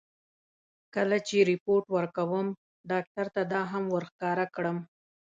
کله چې رېپورټ ورکوم، غواړم ډاکټر ته دا هم ور ښکاره کړم.